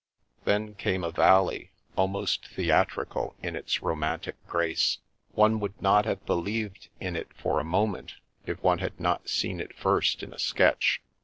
Then came a valley, almost theatrical in its romantic grace. One would not have believed in it for a moment if one had seen it first in a sketch.